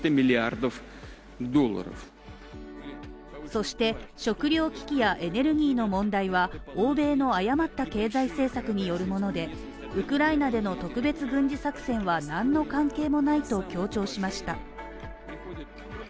そして、食糧危機やエネルギーの問題は欧米の誤った経済政策によるものでウクライナでの特別軍事作戦は何の関係もないと強調しました。